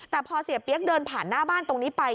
แต่พอเสียเปี๊ยกเดินผ่านหน้าบ้านตรงนี้ไป